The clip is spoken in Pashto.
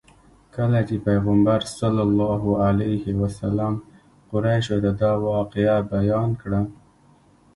کله چې پیغمبر صلی الله علیه وسلم قریشو ته دا واقعه بیان کړه.